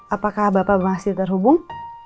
apakah bapak masih terhubung